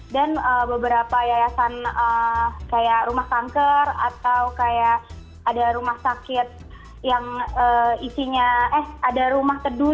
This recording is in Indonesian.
dan beberapa yayasan kayak rumah kanker atau kayak ada rumah sakit yang isinya eh ada rumah teduh